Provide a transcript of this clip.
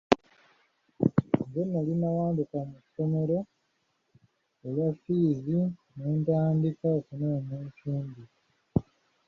Nze nali nawanduka mu ssomero olwa ffiizi ne ntandika okunoonya ensimbi.